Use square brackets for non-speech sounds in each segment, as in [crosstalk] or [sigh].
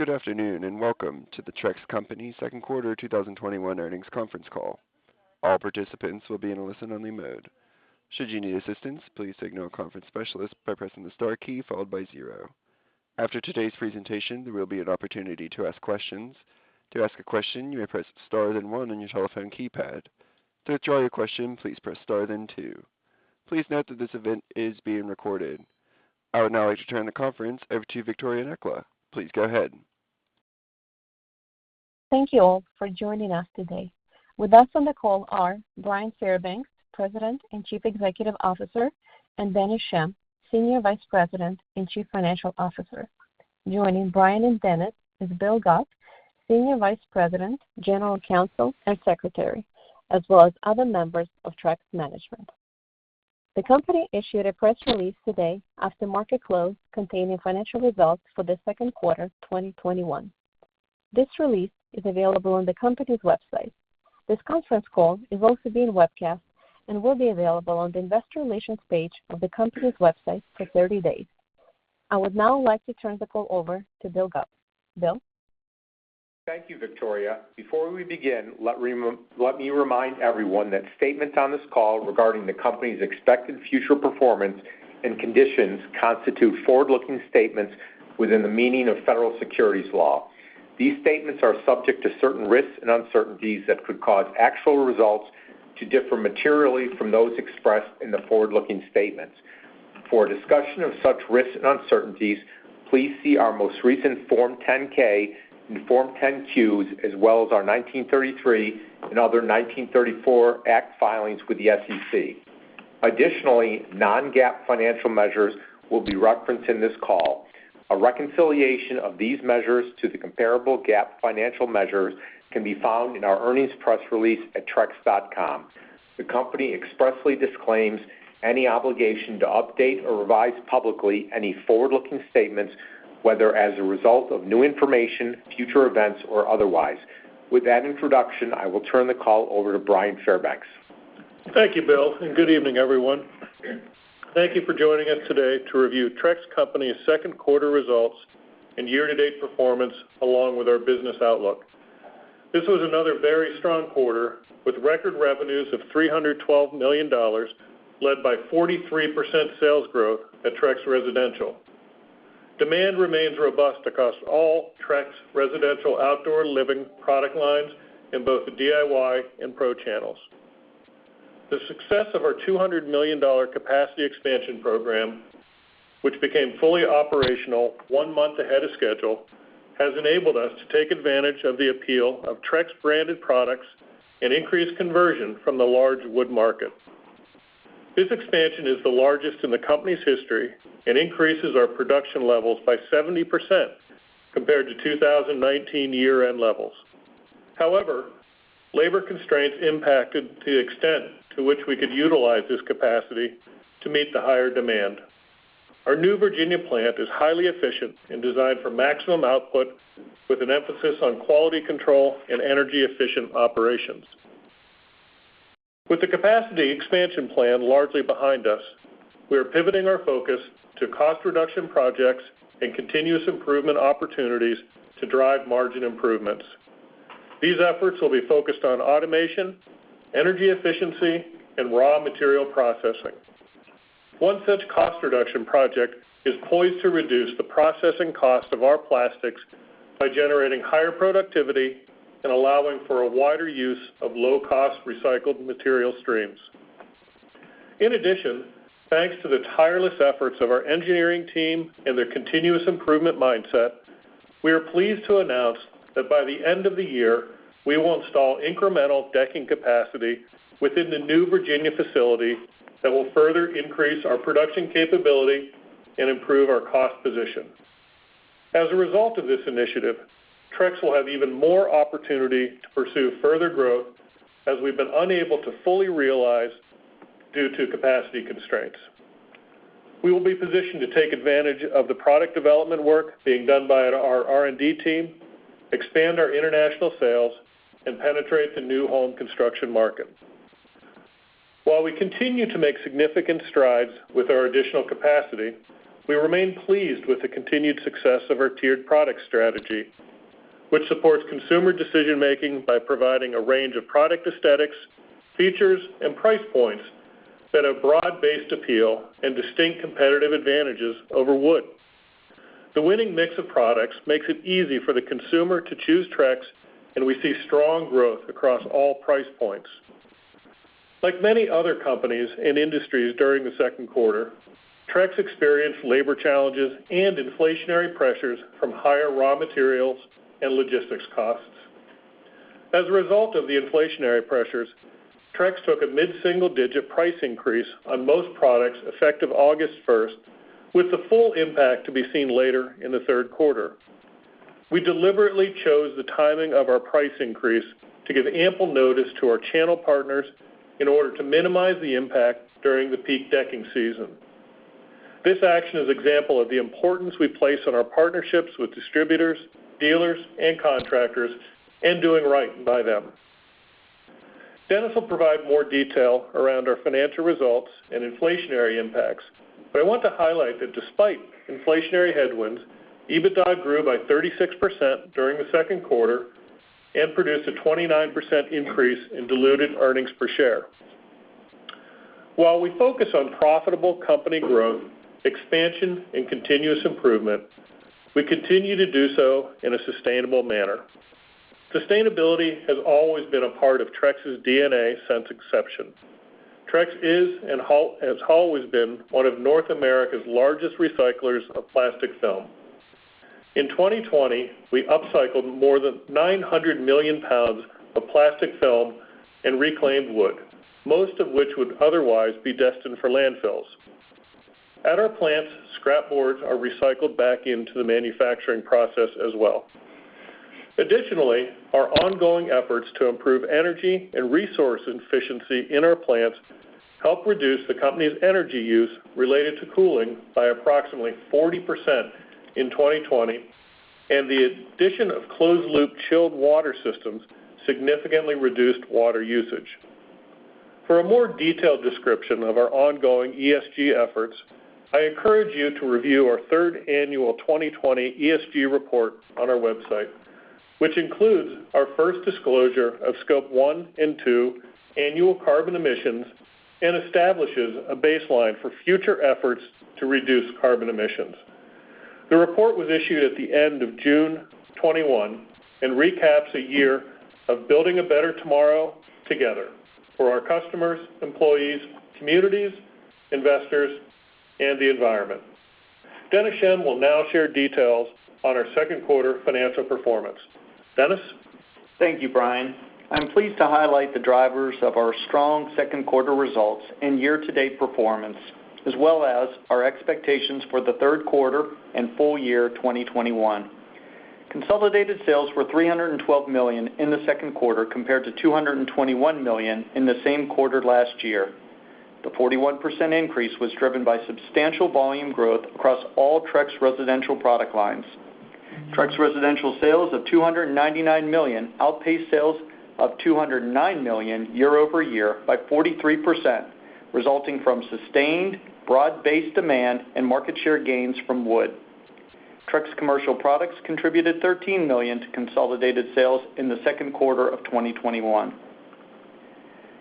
Good afternoon, welcome to the Trex Company Second Quarter 2021 Earnings Conference Call. All participants will be in a listen-only mode. Should you need assistance, please signal conference specialist by pressing the star key followed by zero. After today's presentation, there will be an opportunity to ask questions. To ask a question, you may press star, then one on your telephone keypad. To withdraw your question, please press star, then two. Please note that this event is being recorded. I would now like to turn the conference over to Viktoriia Nakhla. Please go ahead. Thank you all for joining us today. With us on the call are Bryan Fairbanks, President and Chief Executive Officer, and Dennis Schemm, Senior Vice President and Chief Financial Officer. Joining Bryan and Dennis is Bill Gupp, Senior Vice President, General Counsel, and Secretary, as well as other members of Trex management. The company issued a press release today after market close containing financial results for the second quarter 2021. This release is available on the company's website. This conference call is also being webcast and will be available on the investor relations page of the company's website for 30 days. I would now like to turn the call over to Bill Gupp. Bill? Thank you, Viktoriia. Before we begin, let me remind everyone that statements on this call regarding the company's expected future performance and conditions constitute forward-looking statements within the meaning of federal securities law. These statements are subject to certain risks and uncertainties that could cause actual results to differ materially from those expressed in the forward-looking statements. For a discussion of such risks and uncertainties, please see our most recent Form 10-K and Form 10-Qs, as well as our 1933 Act and other 1934 Act filings with the SEC. Additionally, non-GAAP financial measures will be referenced in this call. A reconciliation of these measures to the comparable GAAP financial measures can be found in our earnings press release at trex.com. The company expressly disclaims any obligation to update or revise publicly any forward-looking statements, whether as a result of new information, future events, or otherwise. With that introduction, I will turn the call over to Bryan Fairbanks. Thank you, Bill, and good evening, everyone. Thank you for joining us today to review Trex Company's second quarter results and year-to-date performance, along with our business outlook. This was another very strong quarter, with record revenues of $312 million, led by 43% sales growth at Trex Residential. Demand remains robust across all Trex Residential outdoor living product lines in both the DIY and pro channels. The success of our $200 million capacity expansion program, which became fully operational one month ahead of schedule, has enabled us to take advantage of the appeal of Trex-branded products and increase conversion from the large wood market. This expansion is the largest in the company's history and increases our production levels by 70% compared to 2019 year-end levels. However, labor constraints impacted the extent to which we could utilize this capacity to meet the higher demand. Our new Virginia plant is highly efficient and designed for maximum output, with an emphasis on quality control and energy-efficient operations. With the capacity expansion plan largely behind us, we are pivoting our focus to cost reduction projects and continuous improvement opportunities to drive margin improvements. These efforts will be focused on automation, energy efficiency, and raw material processing. One such cost reduction project is poised to reduce the processing cost of our plastics by generating higher productivity and allowing for a wider use of low-cost recycled material streams. In addition, thanks to the tireless efforts of our engineering team and their continuous improvement mindset, we are pleased to announce that by the end of the year, we will install incremental decking capacity within the new Virginia facility that will further increase our production capability and improve our cost position. As a result of this initiative, Trex will have even more opportunity to pursue further growth, as we've been unable to fully realize due to capacity constraints. We will be positioned to take advantage of the product development work being done by our R&D team, expand our international sales, and penetrate the new home construction market. While we continue to make significant strides with our additional capacity, we remain pleased with the continued success of our tiered product strategy, which supports consumer decision-making by providing a range of product aesthetics, features, and price points that have broad-based appeal and distinct competitive advantages over wood. The winning mix of products makes it easy for the consumer to choose Trex, and we see strong growth across all price points. Like many other companies and industries during the second quarter, Trex experienced labor challenges and inflationary pressures from higher raw materials and logistics costs. As a result of the inflationary pressures, Trex took a mid-single-digit price increase on most products effective August 1st, with the full impact to be seen later in the third quarter. We deliberately chose the timing of our price increase to give ample notice to our channel partners in order to minimize the impact during the peak decking season. This action is example of the importance we place on our partnerships with distributors, dealers, and contractors, and doing right by them. Dennis will provide more detail around our financial results and inflationary impacts. I want to highlight that despite inflationary headwinds, EBITDA grew by 36% during the second quarter and produced a 29% increase in diluted earnings per share. While we focus on profitable company growth, expansion, and continuous improvement, we continue to do so in a sustainable manner. Sustainability has always been a part of Trex's DNA since inception. Trex is and has always been one of North America's largest recyclers of plastic film. In 2020, we upcycled more than 900 million pounds of plastic film and reclaimed wood, most of which would otherwise be destined for landfills. At our plants, scrap boards are recycled back into the manufacturing process as well. Additionally, our ongoing efforts to improve energy and resource efficiency in our plants helped reduce the company's energy use related to cooling by approximately 40% in 2020, and the addition of closed-loop chilled water systems significantly reduced water usage. For a more detailed description of our ongoing ESG efforts, I encourage you to review our third annual 2020 ESG report on our website, which includes our first disclosure of Scope 1 and 2 annual carbon emissions and establishes a baseline for future efforts to reduce carbon emissions. The report was issued at the end of June 2021 and recaps a year of building a better tomorrow together for our customers, employees, communities, investors, and the environment. Dennis Schemm will now share details on our second quarter financial performance. Dennis? Thank you, Bryan. I'm pleased to highlight the drivers of our strong second quarter results and year-to-date performance, as well as our expectations for the third quarter and full year 2021. Consolidated sales were $312 million in the second quarter, compared to $221 million in the same quarter last year. The 41% increase was driven by substantial volume growth across all Trex Residential product lines. Trex Residential sales of $299 million outpaced sales of $209 million year-over-year by 43%, resulting from sustained broad-based demand and market share gains from wood. Trex Commercial Products contributed $13 million to consolidated sales in the second quarter of 2021.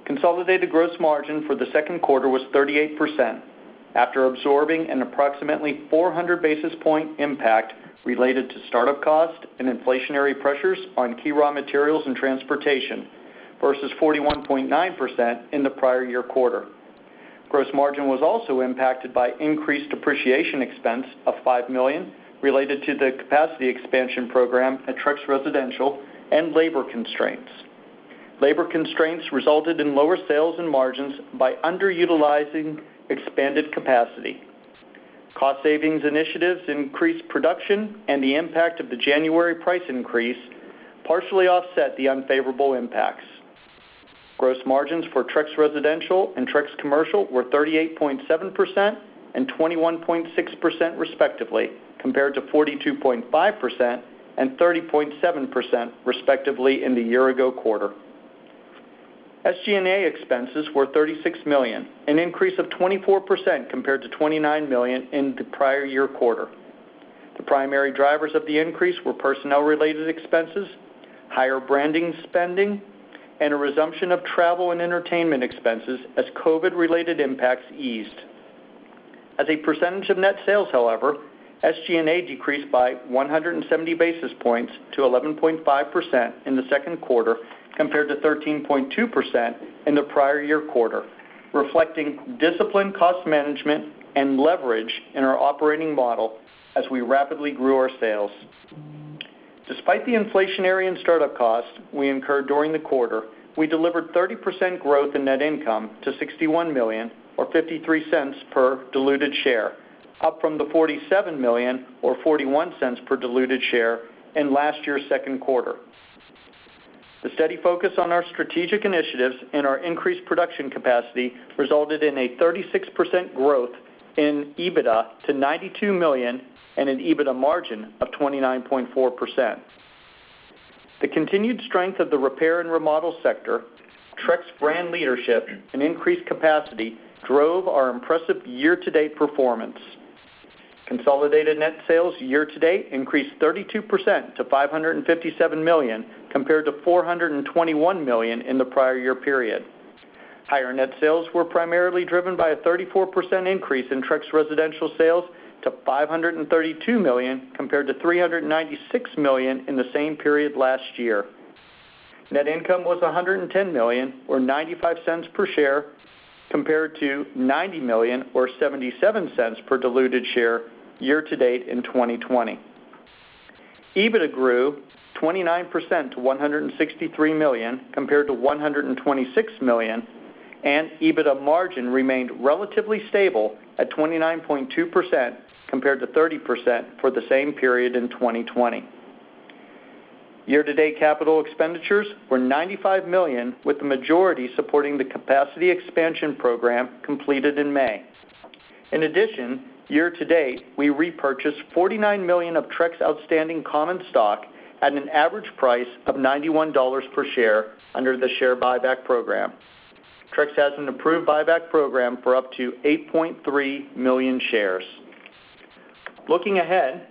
Consolidated gross margin for the second quarter was 38%, after absorbing an approximately 400-basis-point impact related to startup cost and inflationary pressures on key raw materials and transportation versus 41.9% in the prior year quarter. Gross margin was also impacted by increased depreciation expense of $5 million related to the capacity expansion program at Trex Residential and labor constraints. Labor constraints resulted in lower sales and margins by underutilizing expanded capacity. Cost savings initiatives increased production, and the impact of the January price increase partially offset the unfavorable impacts. Gross margins for Trex Residential and Trex Commercial were 38.7% and 21.6%, respectively, compared to 42.5% and 30.7%, respectively, in the year-ago quarter. SG&A expenses were $36 million, an increase of 24% compared to $29 million in the prior year quarter. The primary drivers of the increase were personnel-related expenses, higher branding spending, and a resumption of travel and entertainment expenses as COVID-related impacts eased. As a percentage of net sales, however, SGA decreased by 170 basis points to 11.5% in the second quarter, compared to 13.2% in the prior-year quarter, reflecting disciplined cost management and leverage in our operating model as we rapidly grew our sales. Despite the inflationary and startup costs we incurred during the quarter, we delivered 30% growth in net income to $61 million or $0.53 per diluted share, up from the $47 million or $0.41 per diluted share in last year's second quarter. The steady focus on our strategic initiatives and our increased production capacity resulted in a 36% growth in EBITDA to $92 million and an EBITDA margin of 29.4%. The continued strength of the repair and remodel sector, Trex brand leadership, and increased capacity drove our impressive year-to-date performance. Consolidated net sales year to date increased 32% to $557 million, compared to $421 million in the prior year period. Higher net sales were primarily driven by a 34% increase in Trex Residential sales to $532 million, compared to $396 million in the same period last year. Net income was $110 million or $0.95 per share, compared to $90 million or $0.77 per diluted share year to date in 2020. EBITDA grew 29% to $163 million, compared to $126 million, and EBITDA margin remained relatively stable at 29.2%, compared to 30% for the same period in 2020. Year-to-date capital expenditures were $95 million, with the majority supporting the capacity expansion program completed in May. In addition, year-to-date, we repurchased $49 million of Trex outstanding common stock at an average price of $91 per share under the share buyback program. Trex has an approved buyback program for up to 8.3 million shares. Looking ahead,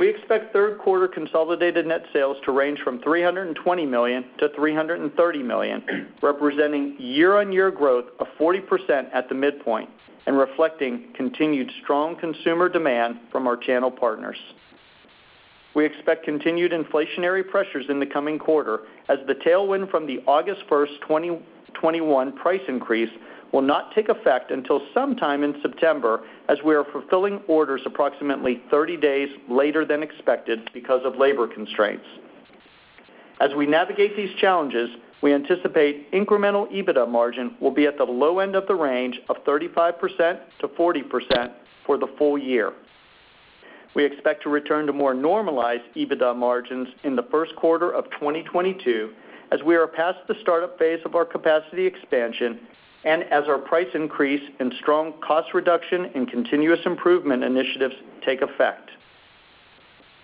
we expect third quarter consolidated net sales to range from $320 million-$330 million, representing year-on-year growth of 40% at the midpoint and reflecting continued strong consumer demand from our channel partners. We expect continued inflationary pressures in the coming quarter as the tailwind from the August 1st, 2021 price increase will not take effect until sometime in September, as we are fulfilling orders approximately 30 days later than expected because of labor constraints. As we navigate these challenges, we anticipate incremental EBITDA margin will be at the low end of the range of 35%-40% for the full year. We expect to return to more normalized EBITDA margins in the first quarter of 2022, as we are past the startup phase of our capacity expansion and as our price increase and strong cost reduction and continuous improvement initiatives take effect.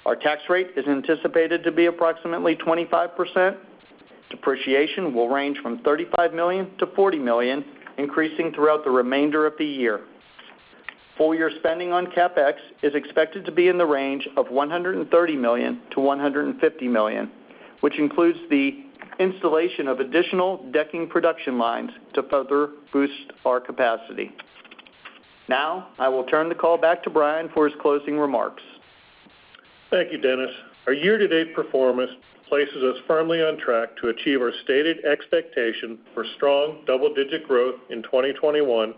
Our tax rate is anticipated to be approximately 25%. Depreciation will range from $35 million-$40 million, increasing throughout the remainder of the year. Full-year spending on CapEx is expected to be in the range of $130 million-$150 million, which includes the installation of additional decking production lines to further boost our capacity. Now, I will turn the call back to Bryan for his closing remarks. Thank you, Dennis. Our year-to-date performance places us firmly on track to achieve our stated expectation for strong double-digit growth in 2021,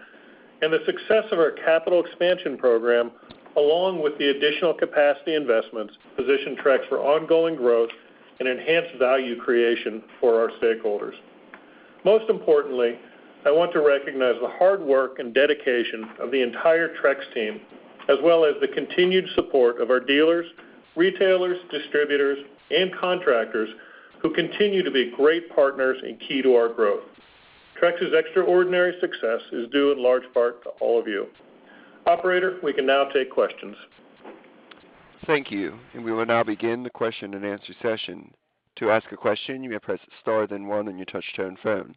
and the success of our capital expansion program, along with the additional capacity investments, position Trex for ongoing growth and enhanced value creation for our stakeholders. Most importantly, I want to recognize the hard work and dedication of the entire Trex team, as well as the continued support of our dealers, retailers, distributors, and contractors who continue to be great partners and key to our growth. Trex's extraordinary success is due in large part to all of you. Operator, we can now take questions. Thank you. We will now begin the question and answer session. To ask a question, you may press star, then one on your touch-tone phone.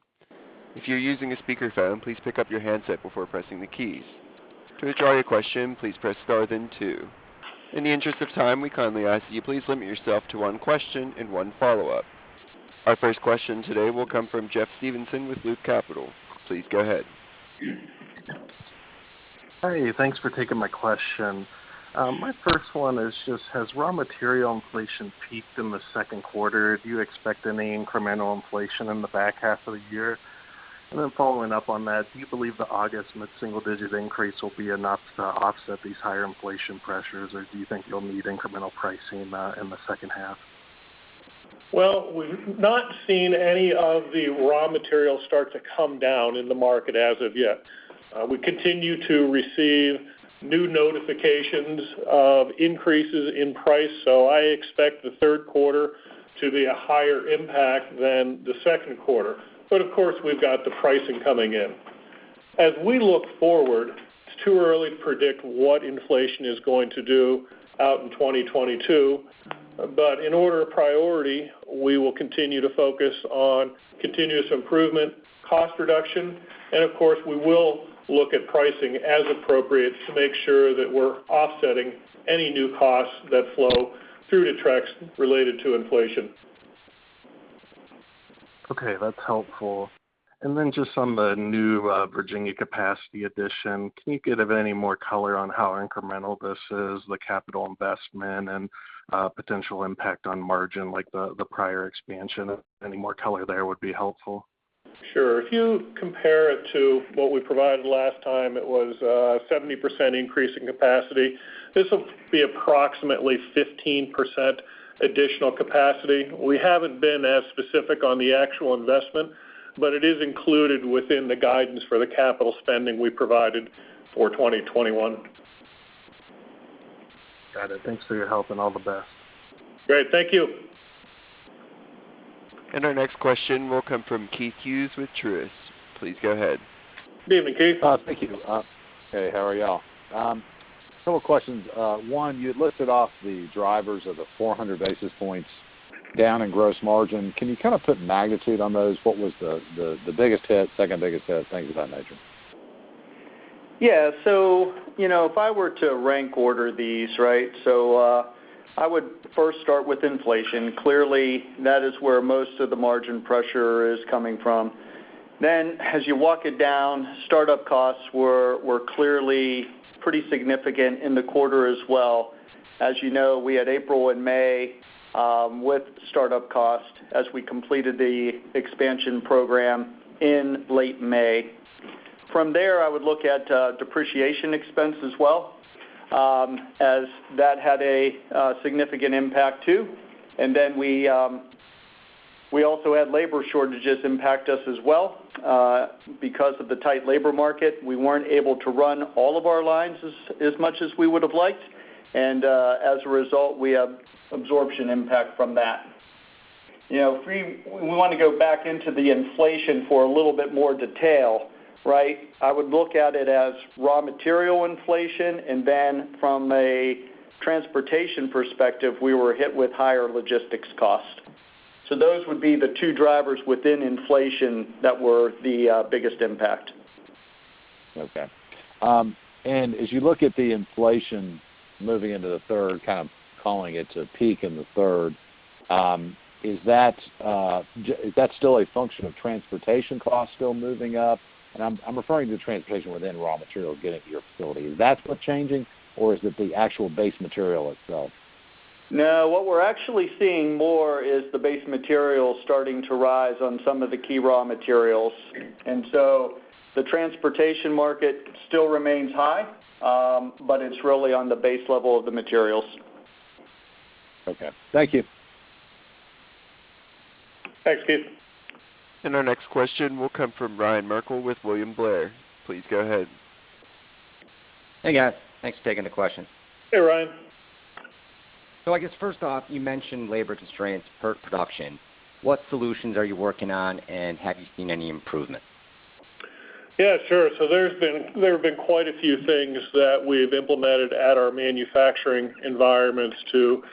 If you're using a speakerphone, please pick up your handset before pressing the keys. To withdraw your question, please press star, then two. In the interest of time, we kindly ask that you please limit yourself to one question and one follow-up. Our first question today will come from Jeff Stevenson with Loop Capital. Please go ahead. Hi, thanks for taking my question. My first one is just, has raw material inflation peaked in the second quarter? Do you expect any incremental inflation in the back half of the year? Then following up on that, do you believe the August mid-single digit increase will be enough to offset these higher inflation pressures, or do you think you'll need incremental pricing in the second half? Well, we've not seen any of the raw materials start to come down in the market as of yet. We continue to receive new notifications of increases in price. I expect the third quarter to be a higher impact than the second quarter. Of course, we've got the pricing coming in. As we look forward, it's too early to predict what inflation is going to do out in 2022. In order of priority, we will continue to focus on continuous improvement, cost reduction, and of course, we will look at pricing as appropriate to make sure that we're offsetting any new costs that flow through to Trex related to inflation. Okay. That's helpful. Then just on the new Virginia capacity addition, can you give any more color on how incremental this is, the capital investment, and potential impact on margin like the prior expansion? Any more color there would be helpful. Sure. If you compare it to what we provided last time, it was a 70% increase in capacity. This will be approximately 15% additional capacity. We haven't been as specific on the actual investment, but it is included within the guidance for the capital spending we provided for 2021. Got it. Thanks for your help. All the best. Great. Thank you. Our next question will come from Keith Hughes with Truist. Please go ahead. Good evening, Keith. Thank you. Hey, how are y'all? Several questions. One, you had listed off the drivers of the 400 basis points down in gross margin. Can you kind of put magnitude on those? What was the biggest hit, second-biggest hit, things of that nature? Yeah. If I were to rank order these, right? I would first start with inflation. Clearly, that is where most of the margin pressure is coming from. As you walk it down, startup costs were clearly pretty significant in the quarter as well. As you know, we had April and May with startup cost as we completed the expansion program in late May. From there, I would look at depreciation expense as well, as that had a significant impact too. We also had labor shortages impact us as well. Because of the tight labor market, we weren't able to run all of our lines as much as we would have liked, and as a result, we have absorption impact from that. If we want to go back into the inflation for a little bit more detail, I would look at it as raw material inflation, and then from a transportation perspective, we were hit with higher logistics costs. Those would be the two drivers within inflation that were the biggest impact. Okay. As you look at the inflation moving into the third, kind of calling it to peak in the third, is that still a function of transportation costs still moving up? I'm referring to transportation within raw materials getting to your facility. Is that what's changing or is it the actual base material itself? No, what we're actually seeing more is the base material starting to rise on some of the key raw materials. The transportation market still remains high, but it's really on the base level of the materials. Okay. Thank you. Thanks, Keith. Our next question will come from Ryan Merkel with William Blair. Please go ahead. Hey, guys. Thanks for taking the question. Hey, Ryan. I guess first off, you mentioned labor constraints hurt production. What solutions are you working on, and have you seen any improvement? Yeah, sure. There have been quite a few things that we've implemented at our manufacturing environments to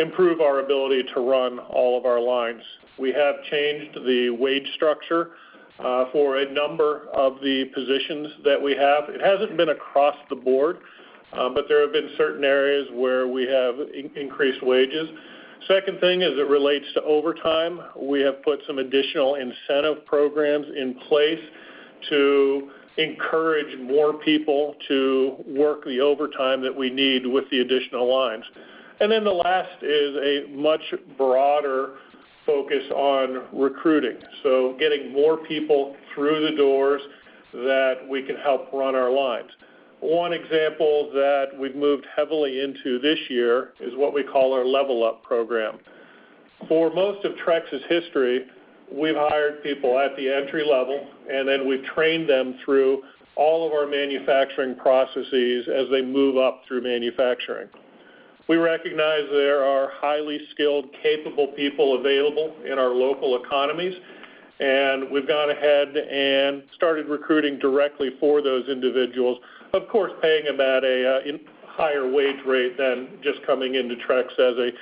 improve our ability to run all of our lines. We have changed the wage structure for a number of the positions that we have. It hasn't been across the board, but there have been certain areas where we have increased wages. Second thing, as it relates to overtime, we have put some additional incentive programs in place to encourage more people to work the overtime that we need with the additional lines. The last is a much broader focus on recruiting. Getting more people through the doors that we can help run our lines. One example that we've moved heavily into this year is what we call our Level Up Program. For most of Trex's history, we've hired people at the entry level, then we've trained them through all of our manufacturing processes as they move up through manufacturing. We recognize there are highly skilled, capable people available in our local economies, we've gone ahead and started recruiting directly for those individuals. Of course, paying them at a higher wage rate than just coming into Trex as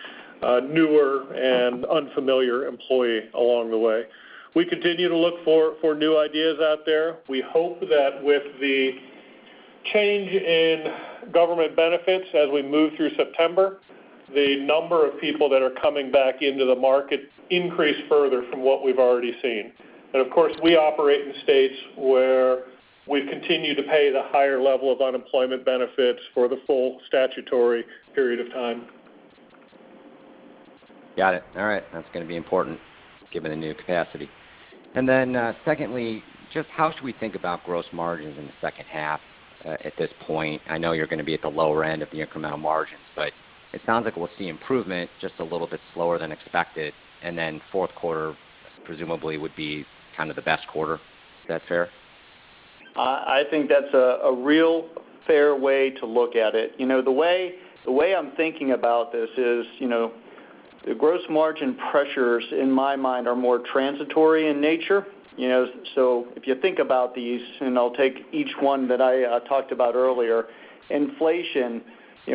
a newer and unfamiliar employee along the way. We continue to look for new ideas out there. We hope that with the change in government benefits as we move through September, the number of people that are coming back into the market increase further from what we've already seen. Of course, we operate in states where we continue to pay the higher level of unemployment benefits for the full statutory period of time. Got it. All right. That's going to be important given the new capacity. Secondly, just how should we think about gross margins in the second half at this point? I know you're going to be at the lower end of the incremental margins, it sounds like we'll see improvement just a little bit slower than expected, and then fourth quarter presumably would be kind of the best quarter. Is that fair? I think that's a real fair way to look at it. The way I'm thinking about this is, the gross margin pressures, in my mind, are more transitory in nature. If you think about these, and I'll take each one that I talked about earlier. Inflation,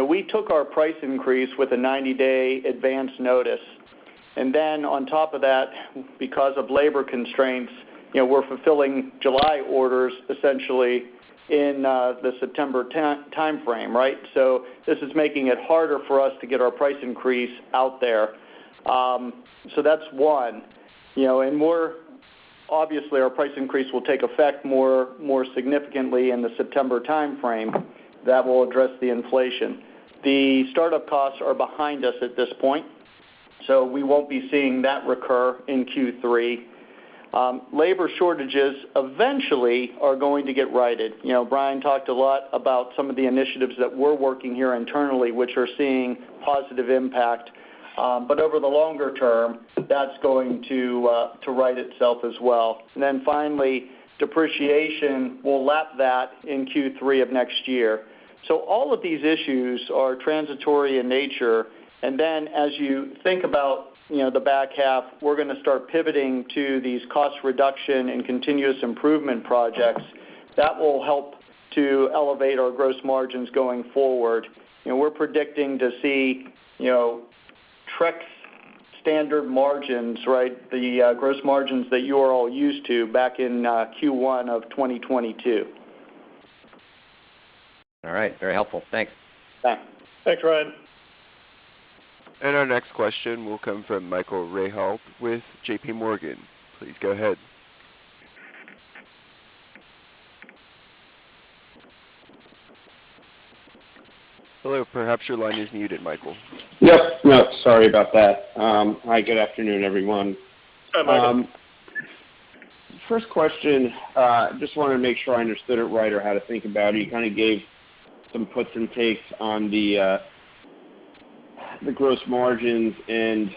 we took our price increase with a 90-day advance notice, and then on top of that, because of labor constraints, we're fulfilling July orders essentially in the September timeframe, right? This is making it harder for us to get our price increase out there. That's one. Obviously, our price increase will take effect more significantly in the September timeframe. That will address the inflation. The startup costs are behind us at this point, so we won't be seeing that recur in Q3. Labor shortages eventually are going to get righted. Bryan talked a lot about some of the initiatives that we're working here internally, which are seeing positive impact. Over the longer term, that's going to right itself as well. Finally, depreciation, we'll lap that in Q3 of next year. All of these issues are transitory in nature. As you think about the back half, we're going to start pivoting to these cost reduction and continuous improvement projects that will help to elevate our gross margins going forward. We're predicting to see Trex standard margins, the gross margins that you are all used to, back in Q1 of 2022. All right. Very helpful. Thanks. Bye. Thanks, Ryan. Our next question will come from Michael Rehaut with JPMorgan. Please go ahead. Hello, perhaps your line is muted, Michael. Yes. Sorry about that. Hi, good afternoon, everyone. Hi, Michael. First question, just wanted to make sure I understood it right or how to think about it. You kind of gave some puts and takes on the gross margins in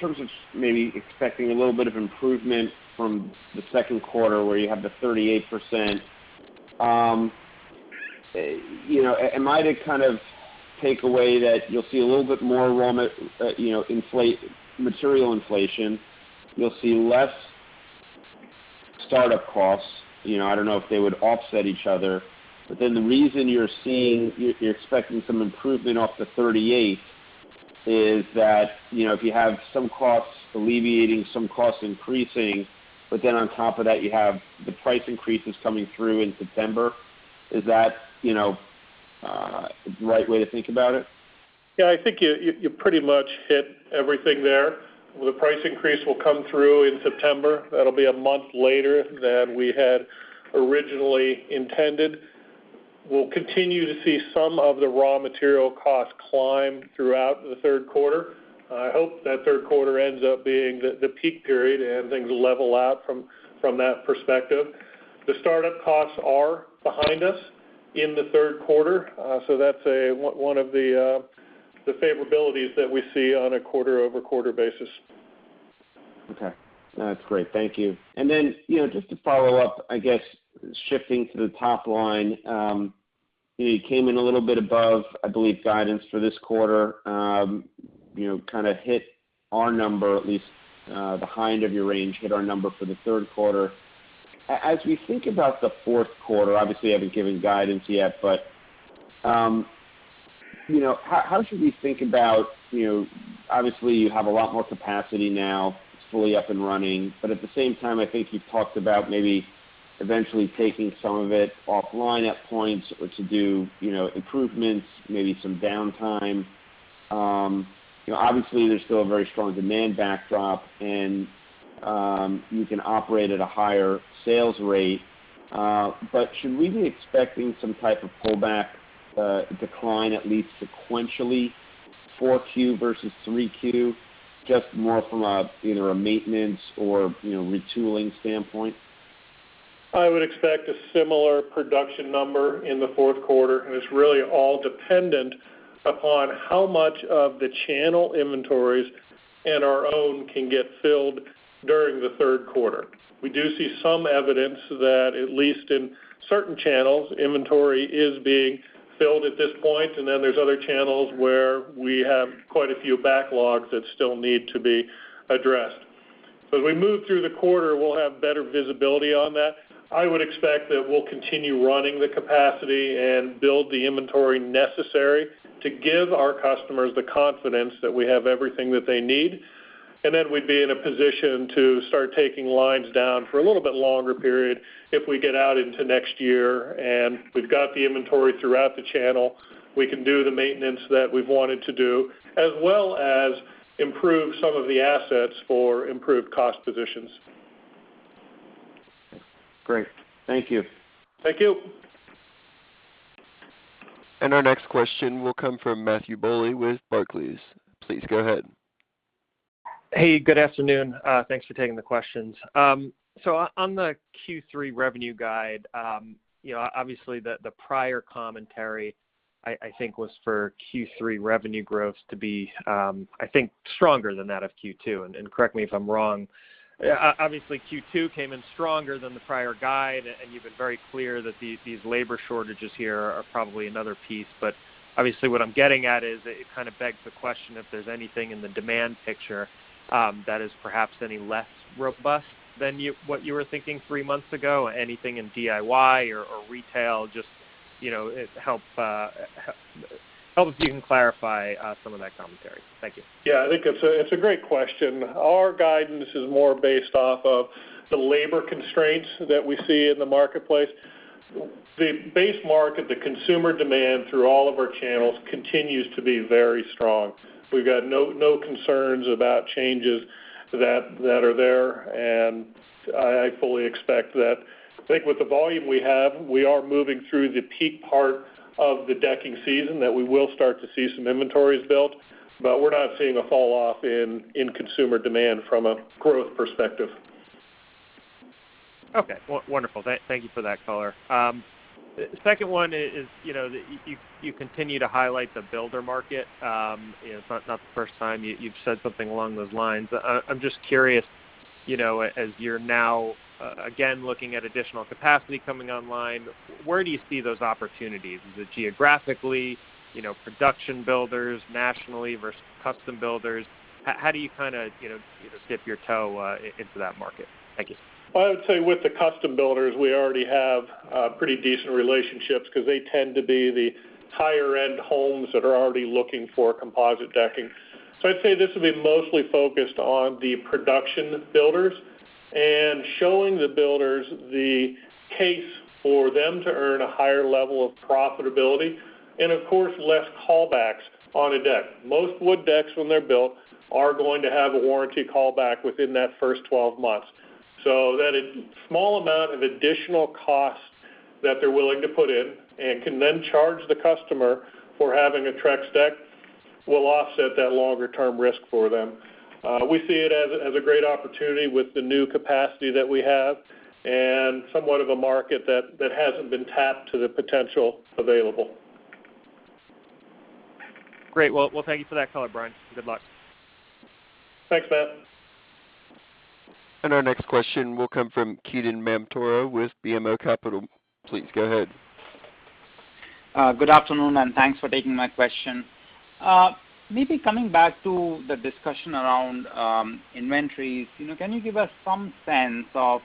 terms of maybe expecting a little bit of improvement from the second quarter where you have the 38%. Am I to kind of take away that you'll see a little bit more raw material inflation, you'll see less startup costs? I don't know if they would offset each other, the reason you're expecting some improvement off the 38% is that if you have some costs alleviating, some costs increasing, on top of that, you have the price increases coming through in September. Is that the right way to think about it? Yeah, I think you pretty much hit everything there. The price increase will come through in September. That'll be a month later than we had originally intended. We'll continue to see some of the raw material costs climb throughout the third quarter. I hope that third quarter ends up being the peak period, and things level out from that perspective. The startup costs are behind us in the third quarter. That's one of the favorabilities that we see on a quarter-over-quarter basis. Okay. No, that's great. Thank you. Just to follow up, I guess shifting to the top line. You came in a little bit above, I believe, guidance for this quarter. Kind of hit our number at least the high end of your range, hit our number for the third quarter. As we think about the fourth quarter, obviously, you haven't given guidance yet, how should we think about, obviously, you have a lot more capacity now, it's fully up and running, but at the same time, I think you talked about maybe eventually taking some of it offline at points or to do improvements, maybe some downtime. Obviously, there's still a very strong demand backdrop, and you can operate at a higher sales rate. Should we be expecting some type of pullback, decline at least sequentially 4Q versus 3Q, just more from either a maintenance or retooling standpoint? I would expect a similar production number in the fourth quarter, and it's really all dependent upon how much of the channel inventories and our own can get filled during the third quarter. We do see some evidence that, at least in certain channels, inventory is being filled at this point, and then there's other channels where we have quite a few backlogs that still need to be addressed. As we move through the quarter, we'll have better visibility on that. I would expect that we'll continue running the capacity and build the inventory necessary to give our customers the confidence that we have everything that they need. We'd be in a position to start taking lines down for a little bit longer period if we get out into next year, and we've got the inventory throughout the channel. We can do the maintenance that we've wanted to do, as well as improve some of the assets for improved cost positions. Great. Thank you. Thank you. Our next question will come from Matthew Bouley with Barclays. Please go ahead. Hey, good afternoon. Thanks for taking the questions. On the Q3 revenue guide, obviously the prior commentary, I think, was for Q3 revenue growth to be, I think, stronger than that of Q2, and correct me if I'm wrong. Obviously, Q2 came in stronger than the prior guide, and you've been very clear that these labor shortages here are probably another piece, but obviously, what I'm getting at is it kind of begs the question if there's anything in the demand picture that is perhaps any less robust than what you were thinking three months ago, anything in DIY or retail, just it'd help if you can clarify some of that commentary. Thank you. Yeah. I think it's a great question. Our guidance is more based off of the labor constraints that we see in the marketplace. The base market, the consumer demand through all of our channels continues to be very strong. We've got no concerns about changes that are there, and I fully expect that. I think with the volume we have, we are moving through the peak part of the decking season, that we will start to see some inventories built, but we're not seeing a fall off in consumer demand from a growth perspective. Okay. Wonderful. Thank you for that color. Second one is, you continue to highlight the builder market. It's not the first time you've said something along those lines. I'm just curious, as you're now again looking at additional capacity coming online, where do you see those opportunities? Is it geographically, production builders nationally versus custom builders? How do you kind of dip your toe into that market? Thank you. I would say with the custom builders, we already have pretty decent relationships because they tend to be the higher-end homes that are already looking for composite decking. I'd say this will be mostly focused on the production builders and showing the builders the case for them to earn a higher level of profitability and of course, less callbacks on a deck. Most wood decks, when they're built, are going to have a warranty callback within that first 12 months. That a small amount of additional cost that they're willing to put in and can then charge the customer for having a Trex deck will offset that longer-term risk for them. We see it as a great opportunity with the new capacity that we have and somewhat of a market that hasn't been tapped to the potential available. Great. Well, thank you for that color, Bryan. Good luck. Thanks, Matt. Our next question will come from Ketan Mamtora with BMO Capital. Please go ahead. Good afternoon. Thanks for taking my question. Coming back to the discussion around inventories, can you give us some sense of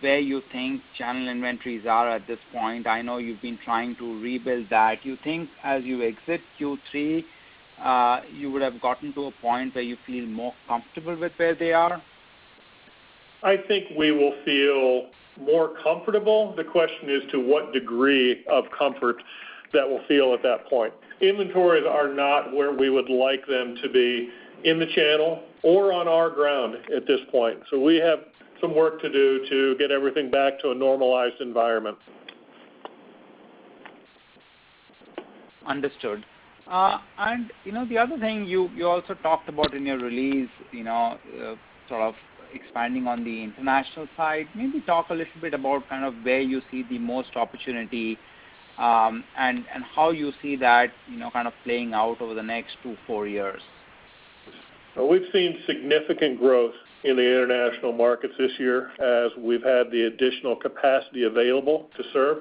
where you think channel inventories are at this point? I know you've been trying to rebuild that. Do you think as you exit Q3, you would have gotten to a point where you feel more comfortable with where they are? I think we will feel more comfortable. The question is to what degree of comfort that we'll feel at that point. Inventories are not where we would like them to be in the channel or on our ground at this point. We have some work to do to get everything back to a normalized environment. Understood. The other thing you also talked about in your release, sort of expanding on the international side. Maybe talk a little bit about where you see the most opportunity and how you see that playing out over the next two, four years. We've seen significant growth in the international markets this year as we've had the additional capacity available to serve.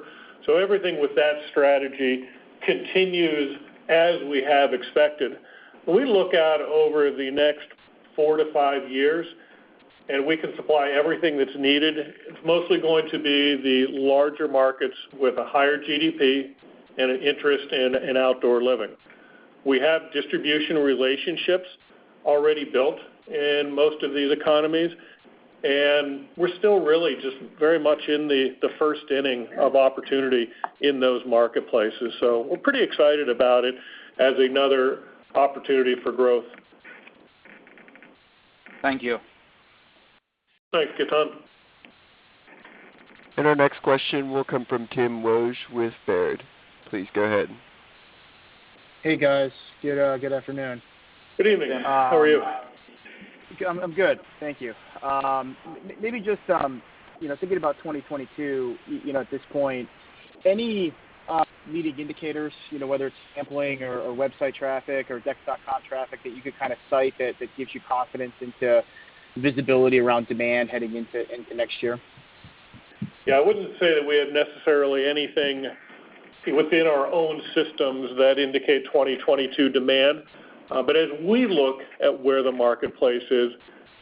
Everything with that strategy continues as we have expected. We look out over the next four to five years, and we can supply everything that's needed. It's mostly going to be the larger markets with a higher GDP and an interest in outdoor living. We have distribution relationships already built in most of these economies, and we're still really just very much in the first inning of opportunity in those marketplaces. We're pretty excited about it as another opportunity for growth. Thank you. Thanks, Ketan. Our next question will come from Tim Wojs with Baird. Please go ahead. Hey, guys. Good afternoon. Good evening. How are you? I'm good. Thank you. Just thinking about 2022 at this point, any leading indicators, whether it's sampling or website traffic or Decks.com traffic that you could cite that gives you confidence into visibility around demand heading into next year? Yeah, I wouldn't say that we have necessarily anything within our own systems that indicate 2022 demand. As we look at where the marketplace is,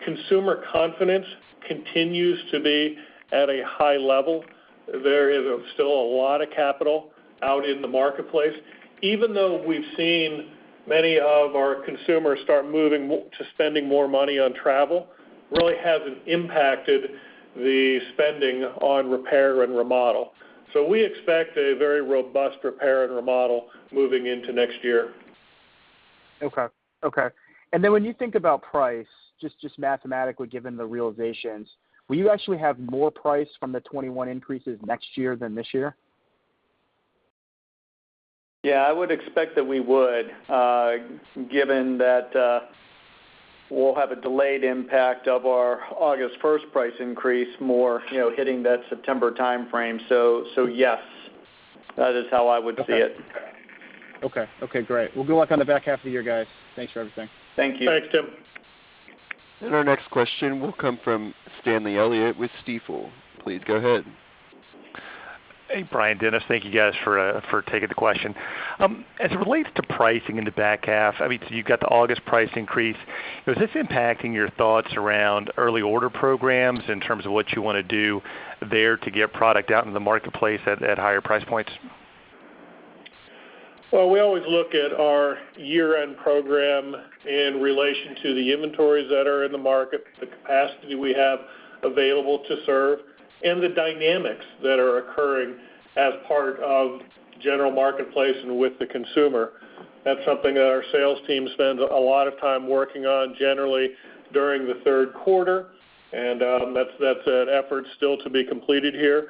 consumer confidence continues to be at a high level. There is still a lot of capital out in the marketplace. Even though we've seen many of our consumers start moving to spending more money on travel, really hasn't impacted the spending on repair and remodel. We expect a very robust repair and remodel moving into next year. Okay. Then when you think about price, just mathematically given the realizations, will you actually have more price from the 2021 increases next year than this year? Yeah, I would expect that we would, given that we'll have a delayed impact of our August 1st price increase more hitting that September timeframe. Yes, that is how I would see it. Okay. Great. Well, good luck on the back half of the year, guys. Thanks for everything. Thank you. Thanks, Tim. Our next question will come from Stanley Elliott with Stifel. Please go ahead. Hey, Bryan, Dennis. Thank you guys for taking the question. As it relates to pricing in the back half, you've got the August price increase. Is this impacting your thoughts around early order programs in terms of what you want to do there to get product out in the marketplace at higher price points? Well, we always look at our year-end program in relation to the inventories that are in the market, the capacity we have available to serve, and the dynamics that are occurring as part of general marketplace and with the consumer. That's something that our sales team spends a lot of time working on generally during the third quarter, and that's an effort still to be completed here.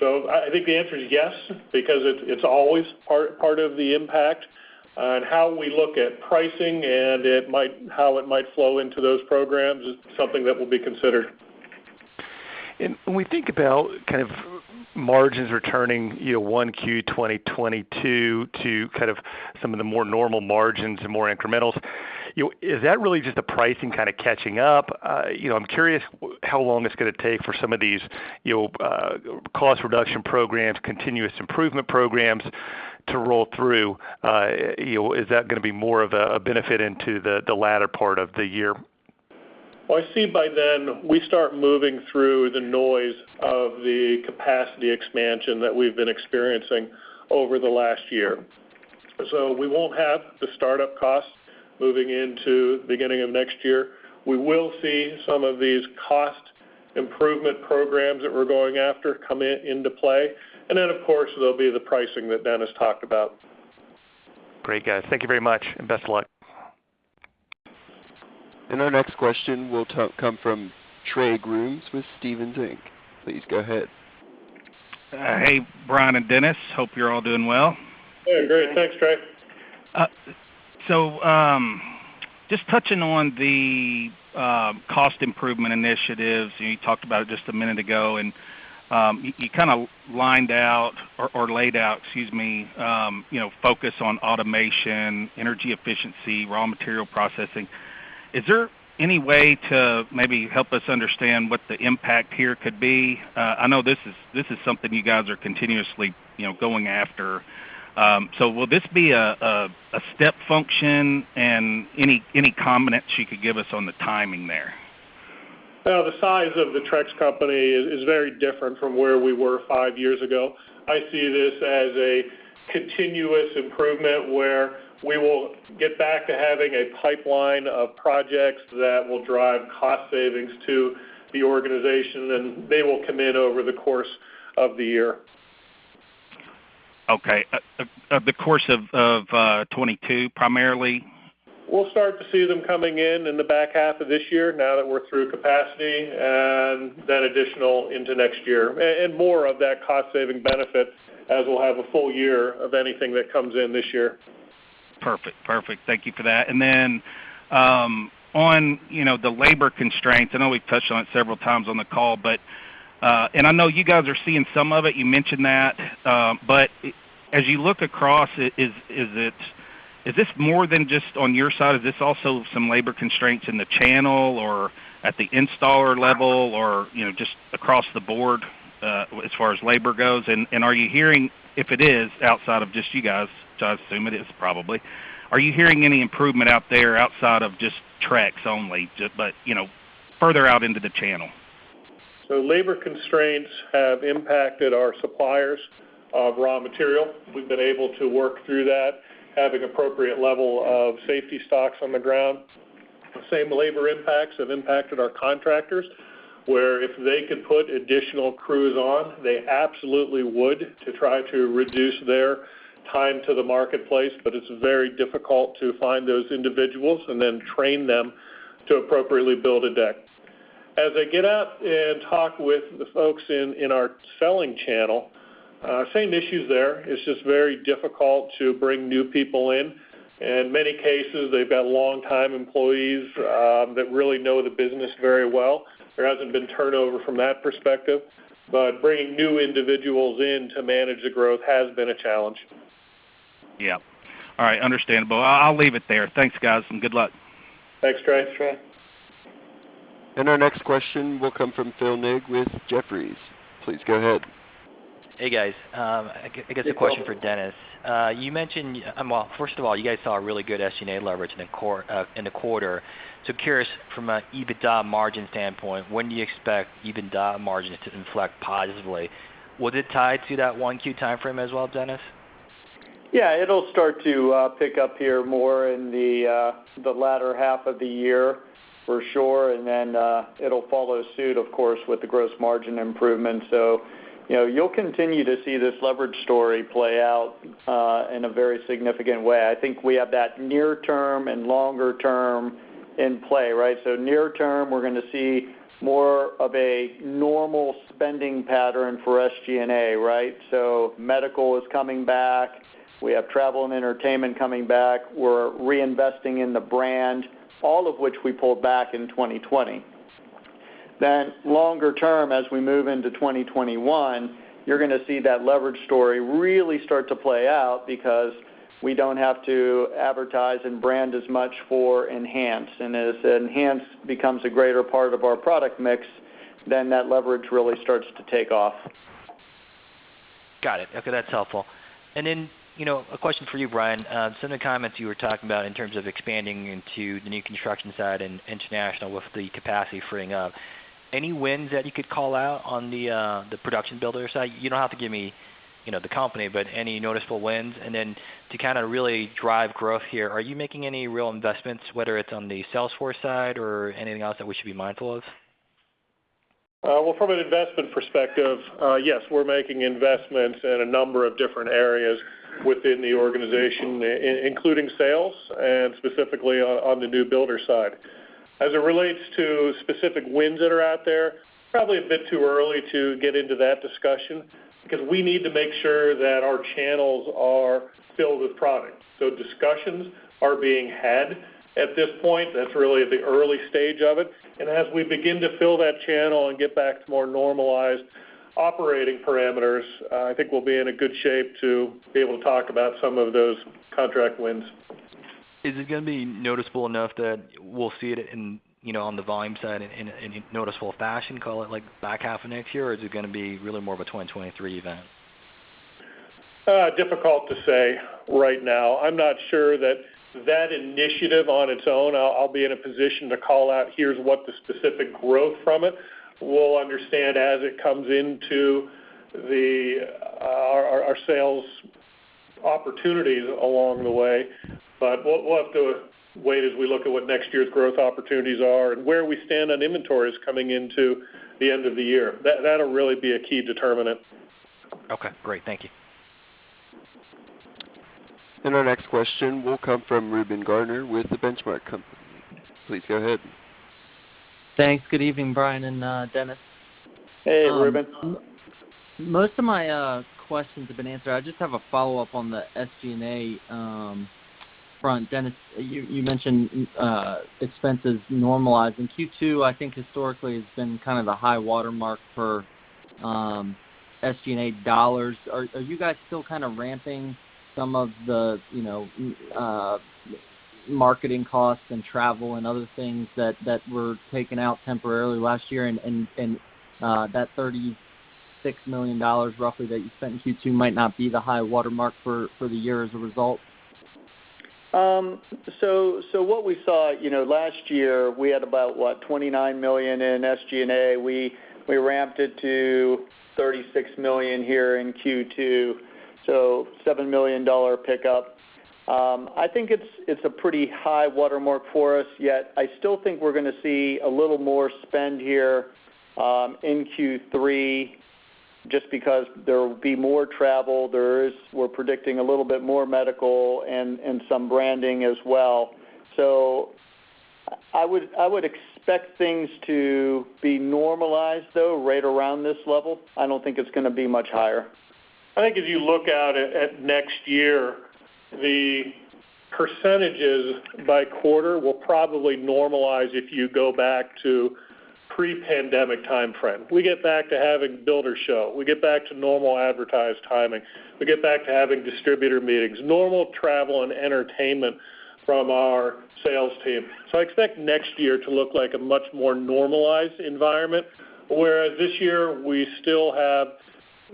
I think the answer is yes, because it's always part of the impact on how we look at pricing and how it might flow into those programs is something that will be considered. When we think about margins returning 1Q 2022 to some of the more normal margins and more incrementals, is that really just the pricing catching up? I'm curious how long it's going to take for some of these cost reduction programs, continuous improvement programs to roll through. Is that going to be more of a benefit into the latter part of the year? Well, I see by then we start moving through the noise of the capacity expansion that we've been experiencing over the last year. We won't have the startup costs moving into beginning of next year. We will see some of these cost improvement programs that we're going after come into play. Of course, there'll be the pricing that Dennis talked about. Great, guys. Thank you very much, and best of luck. Our next question will come from Trey Grooms with Stephens Inc. Please go ahead. Hey, Bryan and Dennis. Hope you're all doing well. Yeah, great. Thanks, Trey. Touching on the cost improvement initiatives, you talked about it just a minute ago, you kind of lined out or laid out, excuse me, focus on automation, energy efficiency, raw material processing. Is there any way to maybe help us understand what the impact here could be? I know this is something you guys are continuously going after. Will this be a step function? Any comments you could give us on the timing there? The size of the Trex Company is very different from where we were five years ago. I see this as a continuous improvement where we will get back to having a pipeline of projects that will drive cost savings to the organization, and they will come in over the course of the year. Okay. Over the course of 2022, primarily? We'll start to see them coming in in the back half of this year now that we're through capacity, and then additional into next year. More of that cost-saving benefit as we'll have a full year of anything that comes in this year. Perfect. Thank you for that. On the labor constraints, I know we've touched on it several times on the call, and I know you guys are seeing some of it, you mentioned that, but as you look across it, is this more than just on your side? Is this also some labor constraints in the channel or at the installer level or just across the board as far as labor goes? Are you hearing, if it is outside of just you guys, which I assume it is probably, are you hearing any improvement out there outside of just Trex only, but further out into the channel? Labor constraints have impacted our suppliers of raw material. We've been able to work through that, having appropriate level of safety stocks on the ground. The same labor impacts have impacted our contractors, where if they could put additional crews on, they absolutely would to try to reduce their time to the marketplace, but it's very difficult to find those individuals and then train them to appropriately build a deck. As I get up and talk with the folks in our selling channel, same issues there. It's just very difficult to bring new people in. In many cases, they've got long-time employees that really know the business very well. There hasn't been turnover from that perspective. Bringing new individuals in to manage the growth has been a challenge. Yeah. All right, understandable. I'll leave it there. Thanks, guys, and good luck. Thanks, Trey. Our next question will come from Phil Ng with Jefferies. Please go ahead. Hey, guys. Hey, Phil. I guess a question for Dennis. First of all, you guys saw a really good SG&A leverage in the quarter. Curious from an EBITDA margin standpoint, when do you expect EBITDA margins to inflect positively? Was it tied to that 1Q timeframe as well, Dennis? Yeah, it'll start to pick up here more in the latter half of the year, for sure. It'll follow suit, of course, with the gross margin improvement. You'll continue to see this leverage story play out in a very significant way. I think we have that near term and longer term in play, right? Near term, we're going to see more of a normal spending pattern for SG&A, right? Medical is coming back. We have travel and entertainment coming back. We're reinvesting in the brand, all of which we pulled back in 2020. Longer term, as we move into 2021, you're going to see that leverage story really start to play out because we don't have to advertise and brand as much for Enhance. As Enhance becomes a greater part of our product mix, that leverage really starts to take off. Got it. Okay, that's helpful. A question for you, Bryan. Some of the comments you were talking about in terms of expanding into the new construction side and international with the capacity freeing up. Any wins that you could call out on the production builder side? You don't have to give me the company, but any noticeable wins? To kind of really drive growth here, are you making any real investments, whether it's on the Salesforce side or anything else that we should be mindful of? Well, from an investment perspective, yes, we're making investments in a number of different areas within the organization, including sales and specifically on the new builder side. As it relates to specific wins that are out there, probably a bit too early to get into that discussion because we need to make sure that our channels are filled with product. Discussions are being had at this point. That's really at the early stage of it. As we begin to fill that channel and get back to more normalized operating parameters, I think we'll be in a good shape to be able to talk about some of those contract wins. Is it going to be noticeable enough that we'll see it on the volume side in noticeable fashion, call it like back half of next year? Or is it going to be really more of a 2023 event? Difficult to say right now. I'm not sure that that initiative on its own, I'll be in a position to call out here's what the specific growth from it. We'll understand as it comes into our sales opportunities along the way. We'll have to wait as we look at what next year's growth opportunities are and where we stand on inventories coming into the end of the year. That'll really be a key determinant. Okay, great. Thank you. Our next question will come from Reuben Garner with The Benchmark Company. Please go ahead. Thanks. Good evening, Bryan and Dennis. Hey, Reuben. Most of my questions have been answered. I just have a follow-up on the SG&A front. Dennis, you mentioned expenses normalizing. Q2, I think historically, has been kind of the high watermark for SG&A dollars. Are you guys still kind of ramping some of the marketing costs and travel and other things that were taken out temporarily last year, and that $36 million roughly that you spent in Q2 might not be the high watermark for the year as a result? What we saw last year, we had about, what, $29 million in SG&A. We ramped it to $36 million here in Q2, so $7 million pickup. I think it's a pretty high watermark for us, yet I still think we're going to see a little more spend here in Q3 just because there will be more travel. We're predicting a little bit more medical and some branding as well. I would expect things to be normalized, though, right around this level. I don't think it's going to be much higher. I think if you look out at next year, the percentages by quarter will probably normalize if you go back to pre-pandemic timeframe. We get back to having builder show. We get back to normal advertised timing. We get back to having distributor meetings, normal travel, and entertainment from our sales team. I expect next year to look like a much more normalized environment, whereas this year, we still have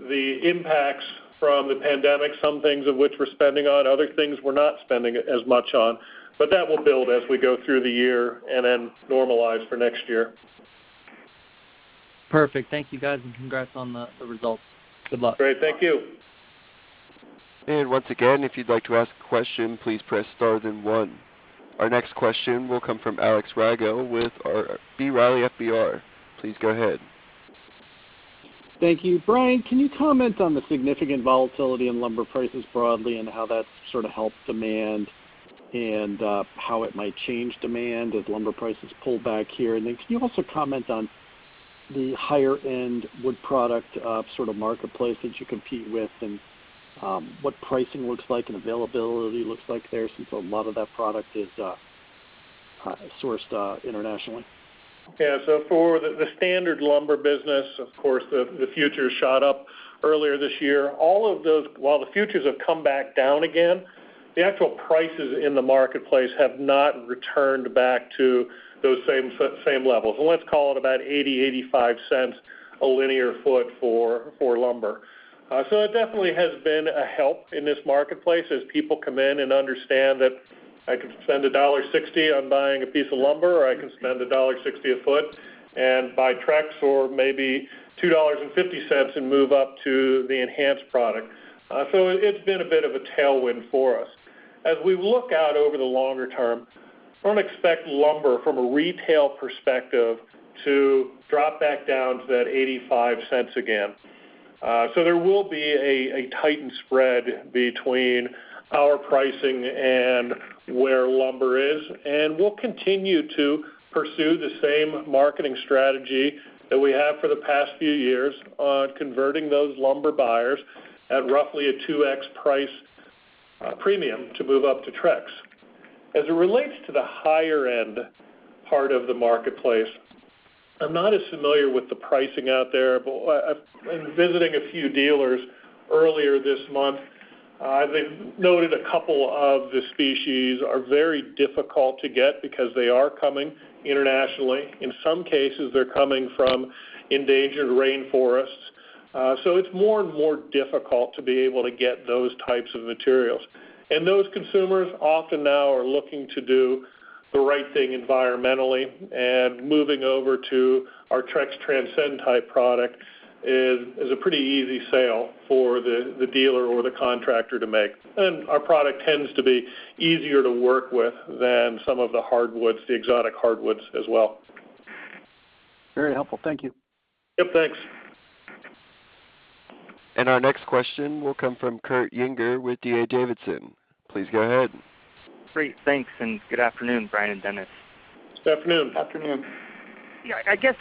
the impacts from the pandemic, some things of which we're spending on, other things we're not spending as much on. That will build as we go through the year and then normalize for next year. Perfect. Thank you, guys, and congrats on the results. Good luck. Great. Thank you. Once again, if you'd like to ask a question, please press star then one. Our next question will come from Alex Rygiel with B. Riley FBR. Please go ahead. Thank you. Bryan, can you comment on the significant volatility in lumber prices broadly and how that sort of helps demand and how it might change demand as lumber prices pull back here? Can you also comment on the higher-end wood product sort of marketplace that you compete with and what pricing looks like and availability looks like there since a lot of that product is sourced internationally? Yeah. For the standard lumber business, of course, the futures shot up earlier this year. While the futures have come back down again, the actual prices in the marketplace have not returned back to those same levels. Let's call it about $0.80, $0.85 a linear foot for lumber. It definitely has been a help in this marketplace as people come in and understand that I can spend $1.60 on buying a piece of lumber, or I can spend $1.60 a foot and buy Trex for maybe $2.50 and move up to the Enhanced product. It's been a bit of a tailwind for us. As we look out over the longer term, I don't expect lumber from a retail perspective to drop back down to that $0.85 again. There will be a tightened spread between our pricing and where lumber is, and we'll continue to pursue the same marketing strategy that we have for the past few years on converting those lumber buyers at roughly a 2x price premium to move up to Trex. As it relates to the higher-end part of the marketplace, I'm not as familiar with the pricing out there, but in visiting a few dealers earlier this month, they've noted a couple of the species are very difficult to get because they are coming internationally. In some cases, they're coming from endangered rainforests. It's more and more difficult to be able to get those types of materials. Those consumers often now are looking to do the right thing environmentally, and moving over to our Trex Transcend type product is a pretty easy sale for the dealer or the contractor to make. Our product tends to be easier to work with than some of the hardwoods, the exotic hardwoods as well. Very helpful. Thank you. Yep. Thanks. Our next question will come from Kurt Yinger with D.A. Davidson. Please go ahead. Great. Thanks, and good afternoon, Bryan and Dennis. Good afternoon. Afternoon. Yeah, I guess,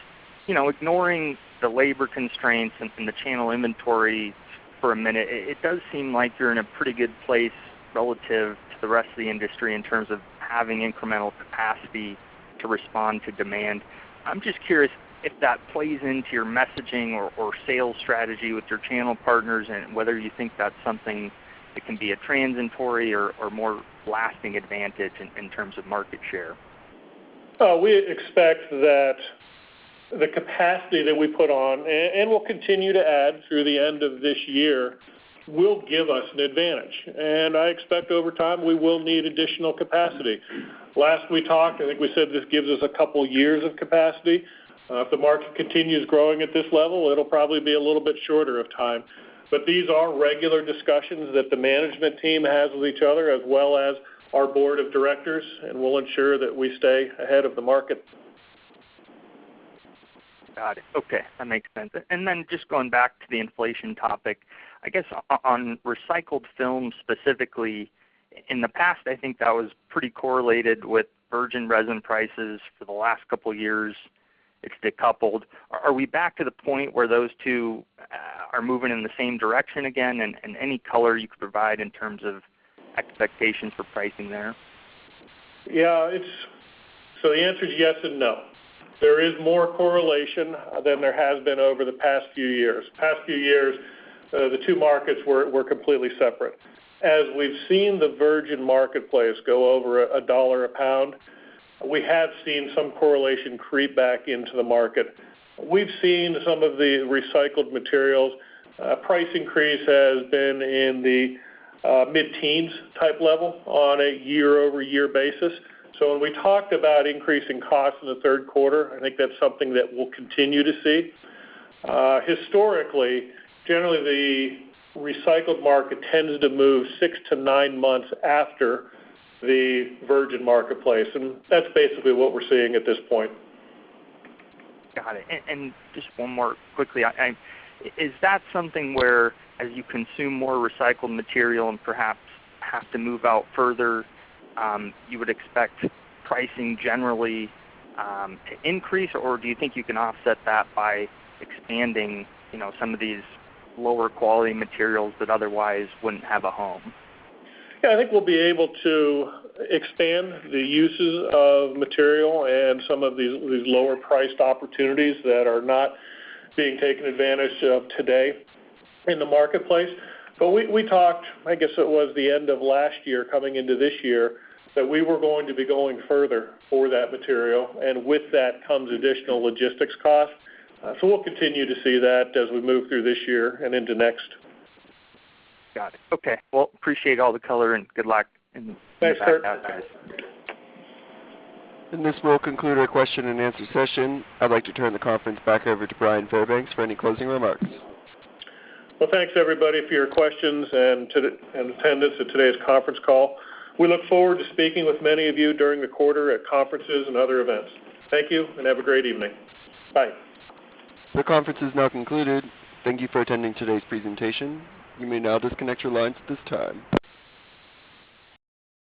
ignoring the labor constraints and the channel inventory for a minute, it does seem like you're in a pretty good place relative to the rest of the industry in terms of having incremental capacity to respond to demand. I'm just curious if that plays into your messaging or sales strategy with your channel partners and whether you think that's something that can be a transitory or more lasting advantage in terms of market share. We expect that the capacity that we put on, and we'll continue to add through the end of this year, will give us an advantage. I expect over time, we will need additional capacity. Last we talked, I think we said this gives us a couple years of capacity. If the market continues growing at this level, it'll probably be a little bit shorter of time. These are regular discussions that the management team has with each other as well as our board of directors, and we'll ensure that we stay ahead of the market. Got it. Okay, that makes sense. Just going back to the inflation topic, I guess on recycled film specifically, in the past, I think that was pretty correlated with virgin resin prices for the last couple of years. It's decoupled. Are we back to the point where those two are moving in the same direction again? Any color you could provide in terms of expectations for pricing there? Yeah. The answer is yes and no. There is more correlation than there has been over the past few years. Past few years, the two markets were completely separate. As we've seen the virgin marketplace go over $1 a pound, we have seen some correlation creep back into the market. We've seen some of the recycled materials price increase has been in the mid-teens type level on a year-over-year basis. When we talked about increasing costs in the third quarter, I think that's something that we'll continue to see. Historically, generally, the recycled market tends to move six to nine months after the virgin marketplace, and that's basically what we're seeing at this point. Got it. Just one more quickly. Is that something where as you consume more recycled material and perhaps have to move out further, you would expect pricing generally to increase, or do you think you can offset that by expanding some of these lower quality materials that otherwise wouldn't have a home? I think we'll be able to expand the uses of material and some of these lower priced opportunities that are not being taken advantage of today in the marketplace. We talked, I guess it was the end of last year coming into this year, that we were going to be going further for that material. With that comes additional logistics costs. We'll continue to see that as we move through this year and into next. Got it. Okay. Well, appreciate all the color and good luck. Thanks, Kurt. [audio distortion] guys. This will conclude our question and answer session. I'd like to turn the conference back over to Bryan Fairbanks for any closing remarks. Well, thanks everybody for your questions and attendance at today's conference call. We look forward to speaking with many of you during the quarter at conferences and other events. Thank you, and have a great evening. Bye. The conference is now concluded. Thank you for attending today's presentation. You may now disconnect your lines at this time.